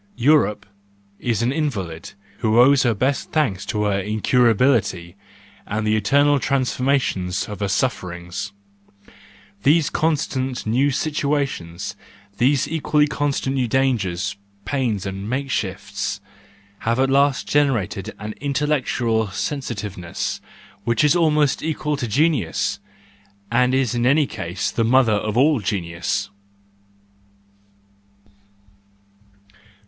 Europe is an invalid who owes her best thanks to her incurability and the eternal transformations of her sufferings; these constant new situations, these equally con¬ stant new dangers, pains, and make shifts, have at last generated an intellectual sensitiveness which is 68 THE JOYFUL WISDOM, I almost equal to genius, and is in any case the mother of all genius.